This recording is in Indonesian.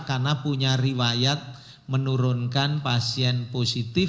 karena punya riwayat menurunkan pasien positif